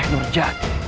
saya ini berjati